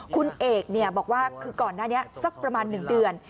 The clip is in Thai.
คุณเอกบอกว่าคือก่อนหน้านี้สักประมาณ๑เดือน